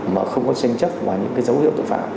mà không có tranh chấp và những dấu hiệu tội phạm